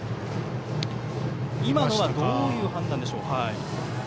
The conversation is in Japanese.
今のはどういう判断でしょうか？